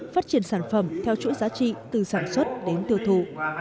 phát triển sản phẩm theo chuỗi giá trị từ sản xuất đến tiêu thụ